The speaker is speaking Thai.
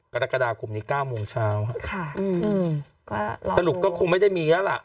กรกฎาคมนี้เก้ามงเช้าค่ะอืมอืมสรุปก็คงไม่ได้มีแล้วล่ะ